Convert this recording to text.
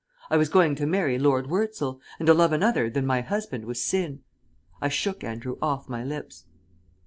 I was going to marry Lord Wurzel, and to love another than my husband was sin. I shook Andrew off my lips.